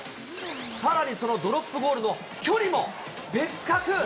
さらにそのドロップゴールの距離も別格！